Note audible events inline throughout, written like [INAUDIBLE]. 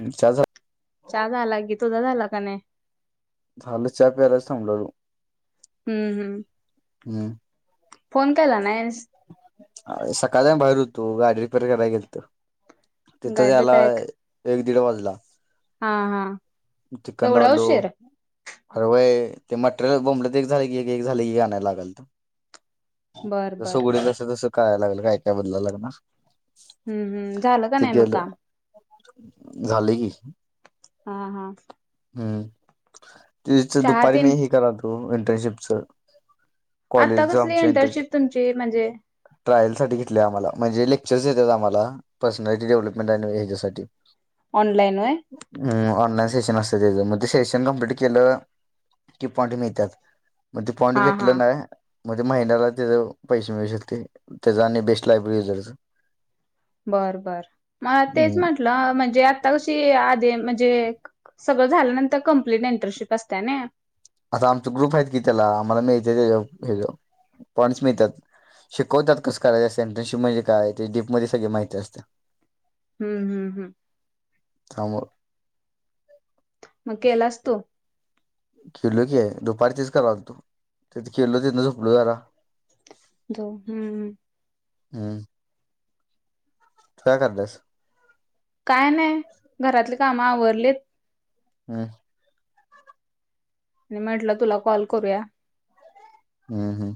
चहा चहा झाला तुझा झाला का नाही झालं चहा प्यायलाच थांबलो हम्म हम्म फोन केला नाहीस अ सकाळ बाहेर होतो गाडी रिपेअर करायला गेलतो तिथं गाडी याला पॅक एक दीड वाजला हा हा एवढा चिकनडलू उशीर हरवय ते मटेरियल बोंबडत एक झाले की एक झाले की आणयला लागल त बर जसं बर उडी तस तसं काय लागल काय काय बदला लागणार हम्म हम्म झालं का नाही मग का झाले की हा हा हम्म तच चहा दुपारी तीन मी हे क तो इंटर्नशिपच आता कसली इंटरशिप तुमची म्हणजे ट्रायल साठी घेतले आम्हाला म्हणजे लेक्चर्स देतात आम्हाला पर्सनॅलिटी डेव्हलपमेंट आणि ह्याच्यासाठी ऑनलाईन वय हम्म अन क [UNINTELLIGIBLE] मग ते फॉंड हा हा भेटलं ना मग महिन्याला त्या पैसे मिळू शकते त्याचा आणि बेस्ट लायब्ररी युजर बर बर मला तेच म्हटलं म्हणजे आता कशी म्हणजे सगळं झाल्यावर कम्प्लीट न इंटरशिप असते आता आमच ग्रुप आहेत कि त्याला आम्हाला मिळते पॉइंट्स मिळतात शिकवतात कस कराय सेंटन म्हणजे काय ते डीप मध्ये सगळे माहिती असते हम्म हम्म हम्म [UNINTELLIGIBLE] मग केला अस तो केलो की आहे दुपारी तेच करावा ला तो तेथ केलो त झोपलो जरा द हम्म हम् काय करालयास काय नाही घरातले काम आवरलेत हम् आणि म्हटलं तुला कॉल करूया हम्म हम्म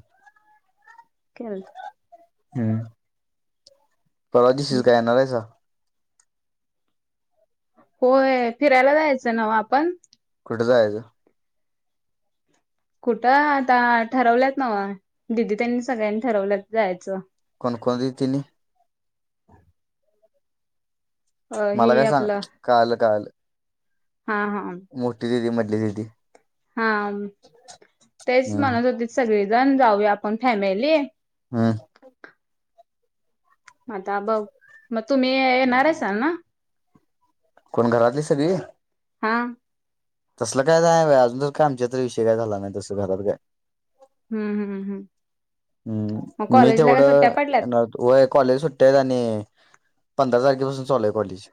केलता हम्म. परवाधीशच काय येणारेसा होय फिरायला जायचं नव आपण कुठ जायाचं कुठं आता ठरवल्यात नवा दिदी त्यांनी सगळ्यांनी ठरवल्यात जायाचं कोण कोण दिदी तिनी अ मला हे काय सांग आपलं कळालं कळालं हा हा मोठी दिदी, मधली दिदी हा तेच हम्म म्हणत होतीत सगळीजण जाऊया आपण फॅमिली हम्म. म आता बघ तुम्ही येणारेसा ना कोण घरातली सगळी हा. तसलं काय नाय बाय अजून ज का आमच्या तरी विषय काय झाला नाही तस घरात काय हम्म हम्म हम्म मग हम्म मी कॉलेजला काय सुट्ट्या पडल्यात तेवढं वय कॉलेज सुट्या आहेत आणि पंधरा तारखेपासून चालू आहे कॉलेज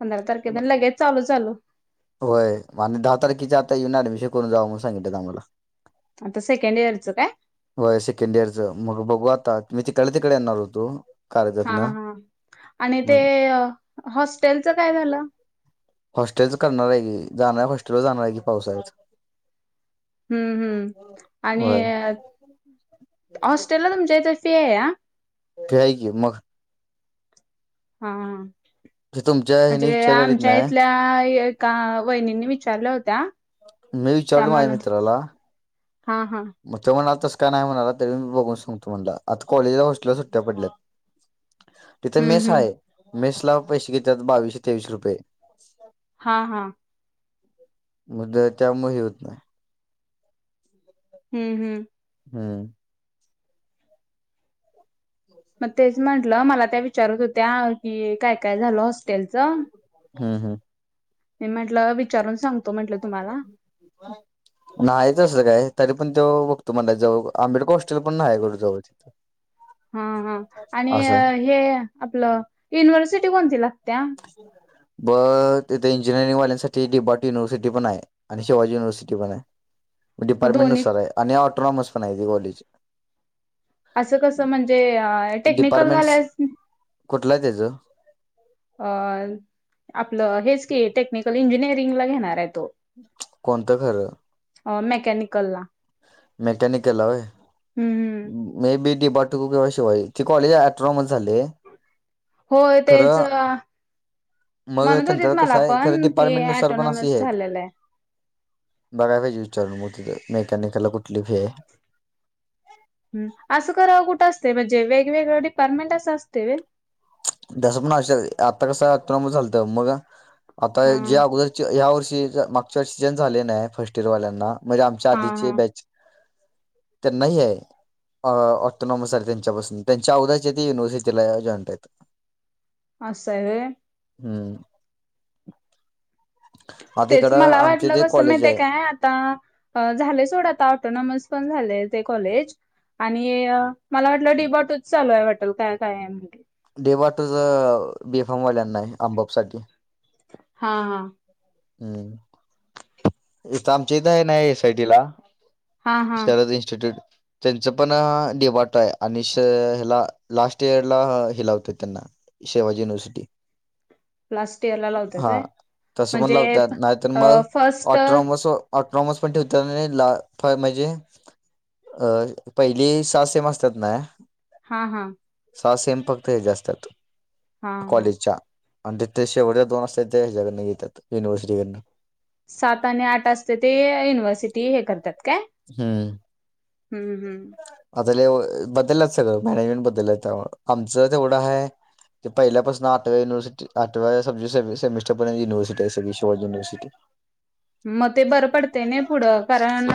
पंधरा तारखेपर्यंत लगेच चालू चालू होय आणि दहा तारखेच्या आत येऊन ऍडमिशन करून जावा म्हणून सांगितलं आम्हाला आता सेकंड इयरचं काय ज मग बघू आता मी तिकडल्या तिकड येणार होतो. हा कार्यजातनं हा आणि ते मग हॉस्टेलचं काय झालं? हॉस्टेलच करणाराय की जाणाराय हॉस्टेलवर जाणारे की पावसाळ्यात हम्म हम्म आणि होय हॉस्टेलला तुमच्या इथे फी हाया फी हाय की मग हा ते तुमच्या ह्याने म्हणजे विचारलेलीत आमच्या नाही इथल्या का वहिणींनी विचारलं होत्या मी त्या विचारलो माझा म्हणत मित्राला हा हा म त्यो म्हणाल तसं का नाही म्हणाला तरी मी बघून सांगतो म्हणला आता कॉलेजला हॉस्टेला सुट्ट्या पडल्यात. तिथे हम्म मेस हम्म आहे मेस ला पैसे घेत्यात बावीसशे तेवीशे रुपये हा हा म द त्यामुळे हे होत नायी हम्म हम्म हम्म मग तेच म्हंटलं मला त्या विचारत होत्या की काय काय झालं हॉस्टेलच हम् हम मी म्हंटलं विचारून सांगतो म्हंटलं तुम्हाला नाही तसं काय तरी पण त्यो बघतो म्हणलाय जवळ आंबेडकर हॉस्टेल पण नाही कुठे जवळ तिथं हा हा आणि असं आहे हे आपलं युनिव्हर्सिटी कोणती ला [INAUDIBLE] ब तिथे इंजिनिअरिंग वाल्यांसाठी डिब्बाट युनिव्हर्सिटी पण आहे आणि शिवाजी युनिव्हर्सिटी पण आहे. मग डिपार्टमेंट दोन्ही नुसार आहे आणि ऑटोनॉमस पण हाय ते कॉलेज असं कस म्हणजे टेक्निकल वाल्यास्नी लय त्याज अ आपलं हेच की टेक्निकल इंजिनिअरिंगला घेणाराय तो कोणतं खरं अ मेकॅनिकल ला मेकॅनिकल होय हम्म हम्म. मी [INAUDIBLE] शिवाय ते कॉलेज अट्रॉमसांग झालय हो तेच अ मग म्हणत त्यांच्या होतीत मला कसं आहे खर पण की डिपार्टमेंट नुसार पण असं हे ऑटोनॉमस आहेत झालेलं आहे. बघाय पाहिजे विचारून मेकॅनिकाला कुठली फी हे ह असं करावं कुठं असत म्हणजे वेगवेगळ डिपार्टमेंट असं असतय व्हय तसं असू शकत आता कसं आहे अत्रॉनॉमी झालतं मग आता हा जे अगोदरचे या् वर्षी ज मागच्या वर्षीजन झाले नाही आहे फर्स्ट इयरवाल्यांना म्हणजे आमच्या हा आधीचे हा बॅच तर नाही आहे अऑटोनॉमस आहे त्यांच्या पासून त्यांच्या अगोदरचे ते युिव्हर्सिटीला जॉईंनट आहेत असं आहे व्हय हम्म [UNINTELLIGIBLE] आता तेच इकडं मला आमचे वाटलं ते कसं कॉलेज माहित आहे. काय आता झाले सोडं आता ऑटोनॉमस पण झाले कॉलेज आणि मला वाटल डीबॉट चालू आहे वाटल काय काय म्हण देवा तुझ बीफामवाल्यांना अंबोक्स साठी हा हा हम्म इथं आमचे इथ आहे ना एसायटीला हा हा शारद इंस्टिट्यूट त्यांच पण हा डी बॉट आहेआणि ह्याला लास्ट इयर ला हेि लावतोय त्यांना शिवाजी युनिव्हर्सिटी लास्ट इयरला लावत्यात हा व्हय तस म्हण म्हणजे ला नाहीतर अ मग फर्स्ट हा ऑट्रोनॉमोसो ऑट्रॉमोस मध्ये ठरले ला म्हणजे अ पहिली सहा सेम असतात ना हा हा सहा सेम फक्त हे हेचि असत्यात हा हा आणि तिथे शेवट्या दोन असतात ते ह्याच्याकडून येतात युिव्हर्सिटीकडं सात आणि आठ असते ते युनिव्हर्सिटी हे करतात काय हम्म हम्म हम्म बदल्यात सगळं नवीन बदल आहे आमचं तेवढं आहे ते पहिल्यापासून आठव्या युनवर्सिटी आठव्या सेमिटरर्यंत युनिवर्सिी सगळी शिवाज युनिवर्सिटी मग ते बरं पडते नाही पुढं कारण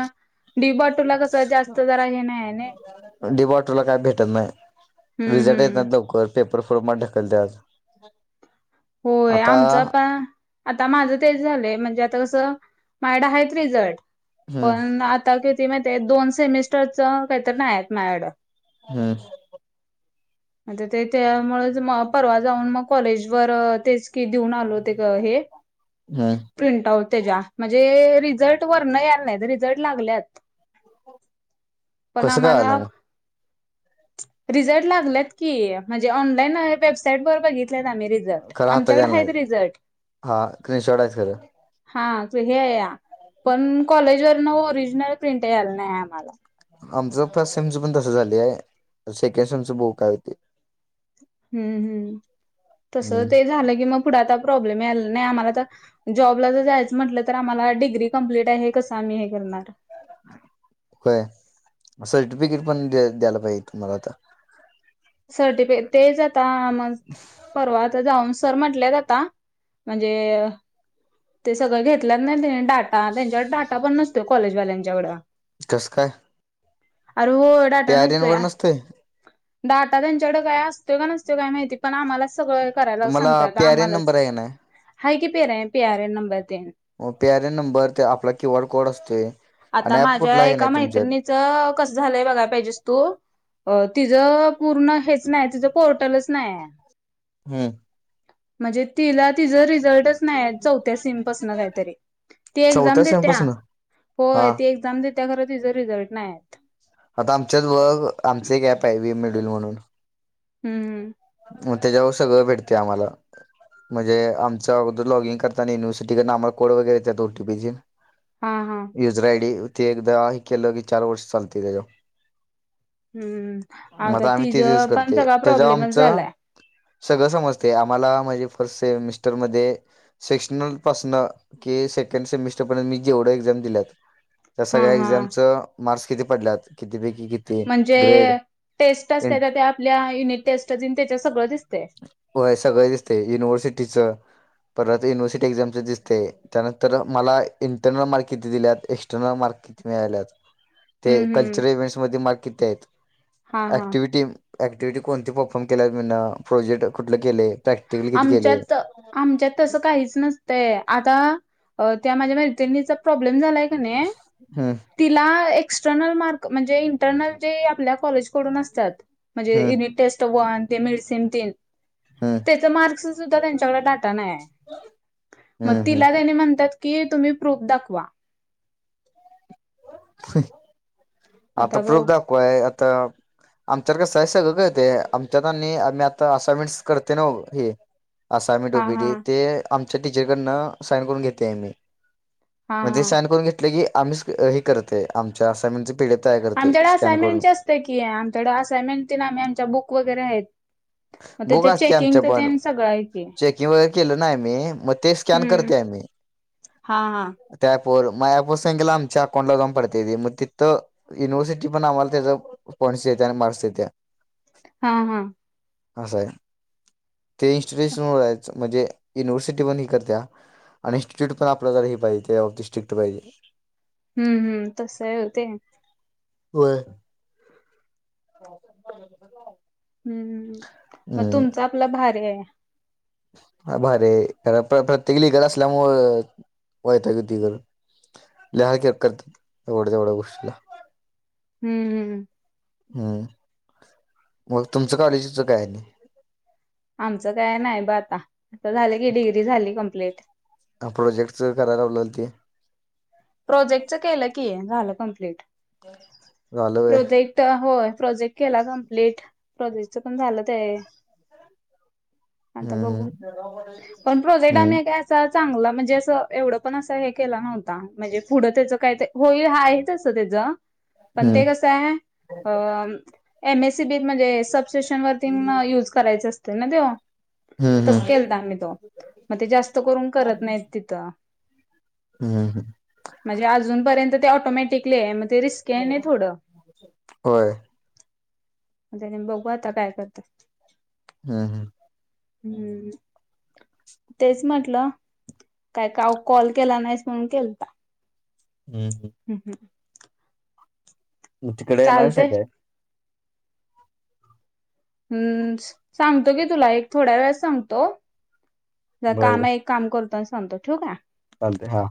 डीबट तुला कस जास्त जरा हे नाही याने दिफॉल्टरला काय भेटत नाही हम्म रिझल्ट हम्म येतात लवकर पेपर पर फॉर्म ढकलल्यात आज होय आमचा आता आता माझं तेच झालंय म्हणजे आता कसं मायडं आहेच रिझल्ट हम्म पण आता ग दोन सेमिस्टर च काहीतर नाही आहेत मायाकडं हम्म ते त्यामुळे परवा जाऊन मग कॉलेज वर्र तेचं की देऊन आलो ते हे हम्म प्रिंट आउट त्याच्या म्हणजे रिझल्टवर नाय यांना रिझल्ट लागल्यात पण कसं कळालं आम्हाला मग रिझल्ट लागलात की म्हणजे ऑनलाईन आहे वेबसाईटवरर बघितलेत आम्ही खरं हातात यायला आमच्याकडे नाही. आहेत रिझल्ट हा स्क्रीनशॉट आहेत खरं हा हे या पण कॉलेजवरन ओरिजिनल प्रिंट यायला नाही आम्हाला आमचं फर्स्ट सेमच पण तसं झाली आहे सेकंड सेमच बघू काय होते हम्म हम्म तस हम्म ते झालं की मग पुढे आता प्रॉब्लेम याला नाही आम्हाला तर, जॉबला जर जायचं म्हटलं तर आम्हाला डिग्री कंप्लीट आहे कसं आम्ही हे करणार. होय सर्टिफिकेट पण द द्यायला पाहिजे तुम्हाला आता, सर्टिफे तेच परवा जाऊन सर म्हटल्या आ म्हणजे ते सगळं घेतलंच नाही डाटा त्यांच्या डाटा पण नसतो कॉलेजवाल्यांच्याकडं कस काय? अरे हो पी डाटा आर एन नसतो वर या नसतंय. डाटा त्यांच्याकडे काय असतो का नसतो काय माहिती पण आम्हाला, सगळं कराय तुम्हाला सांगत पी आर एन आम्हालाच नंबर आहे का नाही आहे की प पी आर एन नंबर तेन हो पी आर एन नंबर ते आपला क्यू आर कोड असते. आता माझ्या एका मैत्रिणीच कसं झालंय बघायला पाहिजेस तू अ तिचं पूर्ण हेच नाही तिचं पोर्टलच नाही. हम्म म्हणजे तिला तिझ रिझल्टच नाही. कात त एम चौथ्या देत. [INAUDIBLE] सेमपासून हा होय ती एक्झाम द त्या खर तिच रिझल्ट नाही आहेत आता आमच्याच व आमच एक ऍप आहे वही मिडल म्हणून- हम्म मग त्याच्यावर सगळं भेटते आम्हाला म्हणजे आमच अगदर लॉगिंग करताना युनवर्सिटी कडे ना आम कोड वगैरे येतात ओटीपीचे हा हा युजर आयडी ते एकदा हे केलं की चार वर्ष चालते त्याच्या हम्म आता तेच युज तिचं पण करते सगळा त्याच्यावर प्रॉब्लेमच आमचं झालाय. सगळं समजते आम्हाला माझे फर्स्ट सेमिस्टर म सेक्शनल पासना की सेकड सेमिटरर्यंत जेवढ एक्झम दिल्या हा सगळ्या हा एक्झाम मार्क्स किती पडलात. किती बेकी कती म्हणजे ग्रेड टेस्ट असते इंट [INAUDIBLE] तर ते आपल्या युनिट टेस्ट त्याच्या सगळं दिसतय. होय, सगळ दिसते युनिव्हर्सिटीच परत युनिव्हर्सिटी एक्झामच दिसते त्यानंतर मला इंटर्नल मार्क किती दिल्यात एक्स्टर्नल मार्क ळाल्यात. ते हम्म हम्म कल्चरल इव्हेंट म माग आहेत हा हा ऍक्टिव्हटी एक्टिटी कोणती परफॉर्म केलाीं प्रोजेक्ट कुठलं केले? प्रॅक्टिकल किती केले आमच्यात आमच्यात तसं काहीच नसतय आता, त्या माझ्या मैत्रिणीचा प्रॉब्लेम झालाय का हम्म तिला एक, एक्टर्ल मार् म्हणजे इंटरनल जे आपल्या कॉलेजडून असतात म्हणजे हम्म युनिट टेस्ट वन डेमर सेमटन [INAUDIBLE] हम्म त्याचा मार्क्स सुद्धा त्यांच्याकडे डाटा नाही आहे, मग हम्म हम्म तिला त्यानी म्हणतात कि तुम्ही प्रूफ दाखवा. आता प्रूफ दाखवाय आता आम आ का सय सगळं का ते आमच्यात आम्ही आता असानमेंट्स करते ना हे, असा मी हा हा डोबीडी ते आमच्या टीचरकडन साइन करून घेते मी, हा म्हणजे हा सान करून घेत कीम्च हे कर आम म्ह [INAUDIBLE] आमच्याकडे असाइनमेंटचे असते की आमच्याकड असायनमेंटची आमच्या बुक वगैरे आहेत. ह बुक असते आमच्या पण चेकिंग वगैरे केलं नाही मी मग ते स्कॅन हम्म. करते आम्ही हा हा र मापसून गेला आमच्या अकाउंट ला जाऊन पडते मग तिथं युिव्हर्सिटी पण आम्हाला त्या स येत्या आणि मारस येत्या [INAUDIBLE] हा हा असं आहे ते इन्स्टिट्युशन वच म्हणजे युनिव्हर्सिटी पण ही करत. आणि इन्स्टिट्यूट पण आपल्या जर हे पाहिजे स्ट्रिक्ट पाहिजे. हम्म हम्म तसय होते. हो... हो.. हम्म मग तुमच आपला भार आहे... ह भार ख प्रत्येक लिगल असल्यामुळे वैताग येतोय करून लय हाल क करत एवढ्या तेवढ्या गोष्टला. हम्म हम्... हम्म मग तुमचं कॉलेजीचं काय नाही... आमचं काय नाही ब आता... आ झालं की डिग्री झाली कंप्लीट... प्रोजेक्टच करायला लावलेलं ते प्रोजेक्टच केलं की झालं कमप्लीट... झालं व्हय प्रोजेक्ट होय प्रोजेक्ट केला कंप्लीट... प्रोजेक्ट पण झालं ते आहे... आता बघू हम्म पण प्रोजेक्ट हम्म आम्ही काय अस... चांगला म्हणजे असं एवढं पण असं हे केला नव्हता... म्हणजे पुढं त्याचं काय ते होईल ह आहेच असं त्याचं पण ते हम्म कसं आहे... अ एमएससीबीत म्हणजे सब स्टेशन वरती युज करायचे असते ना ते... हम्म हम्म तस केलता आम्ही तो मग ते जास्त करून करत नाहीत तिथं... हम् हम... म्हणजे अजूनपर्यंत ते ऑटोमॅटिकली आहे मग ते रिस्क आहे ना थोडं... होय... त्या बघू आता काय करत... हम् हम... हम्म.. तेच म्हटलं काय का कॉल केला नाहीस म्हणून केलता... हम्... हम्म हम्... तिकडे येणार स काय... हम्म सांगतो की तुला एक थोड्या वेळस सांगतो... ज काम एक काम करतो आणि सांगतो ठीक आहे... चालते हा...